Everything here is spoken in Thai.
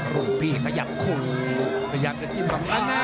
กรุ่มพี่ขยับถึงสักคน